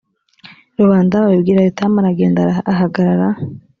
rubanda babibwira yotamu aragenda ahagarara